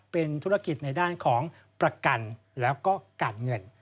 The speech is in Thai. เป็นธุรกิจในด้านของประกันแล้วก็การเงิน